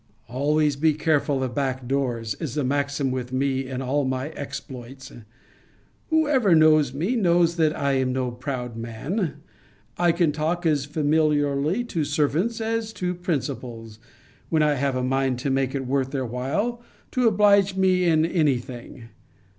Always be careful of back doors, is a maxim with me in all my exploits. Whoever knows me, knows that I am no proud man. I can talk as familiarly to servants as to principals, when I have a mind to make it worth their while to oblige me in any thing.